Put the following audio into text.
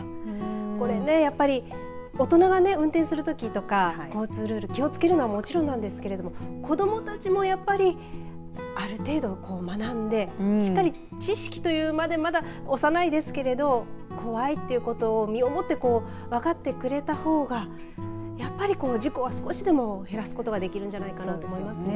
これね、やっぱり大人が運転するときとか交通ルール気を付けるの、もちろんですけど子どもたちも、やっぱりある程度、学んでしっかり知識というまでまだ幼いですけれど怖いということを身をもって分かってくれたほうがやっぱり事故は少しでも減らすことができるんじゃないかと思いますね。